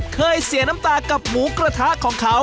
เคยเสียน้ำตากับหมุนกระทะ